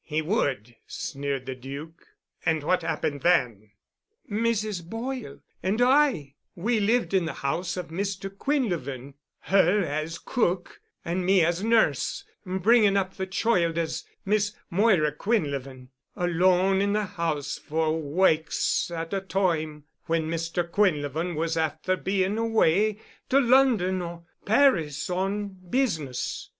He would," sneered the Duc. "And what happened then?" "Mrs. Boyle and I we lived in the house of Mr. Quinlevin, her as cook and me as nurse, bringin' up the choild as Miss Moira Quinlevin,—alone in the house for wakes at a toime, when Mr. Quinlevin was afther bein' away to London or Paris on business.